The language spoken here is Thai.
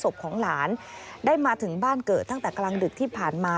ศพของหลานได้มาถึงบ้านเกิดตั้งแต่กลางดึกที่ผ่านมา